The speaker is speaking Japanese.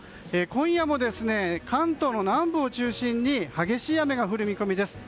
今夜も、関東の南部を中心に激しい雨が降る見込みです。